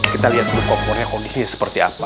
kita lihat dulu kompornya kondisinya seperti apa